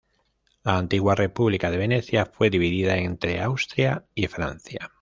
La antigua República de Venecia fue dividida entre Austria y Francia.